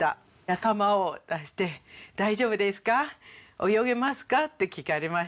頭を出して「大丈夫ですか？泳げますか？」って聞かれました。